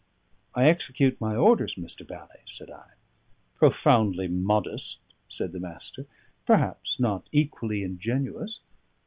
"I execute my orders, Mr. Bally," said I. "Profoundly modest," said the Master; "perhaps not equally ingenuous.